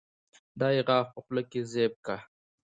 دا يې غاښ په خوله کې زېب کا